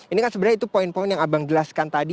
ini kan sebenarnya itu poin poin yang abang jelaskan tadi